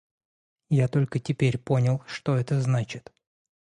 Я только теперь понял, что это значит.